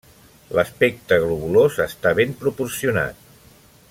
L'aspecte globulós està ben proporcionat.